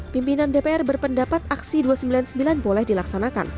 pimpinan dpr berpendapat aksi dua ratus sembilan puluh sembilan boleh dilaksanakan